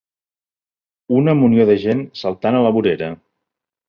Una munió de gent saltant a la vorera.